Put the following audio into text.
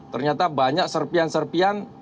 ternyata banyak serpian serpian